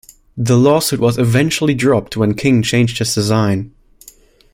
The lawsuit was eventually dropped when King changed his design.